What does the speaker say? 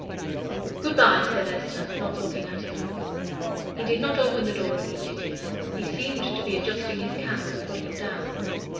"Good bye," said Esther, not looking at him. He did not open the door immediately. He seemed to be adjusting his cap and pulling it down.